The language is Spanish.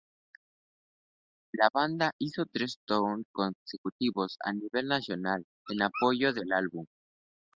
La banda hizo tres tours consecutivos a nivel nacional en apoyo del álbum.